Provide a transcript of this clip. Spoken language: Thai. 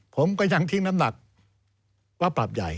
ผมก็ยังทิ้งน้ำหนักว่าปรับใหญ่